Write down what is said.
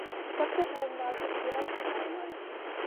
Its up to him now to clean up the timeline.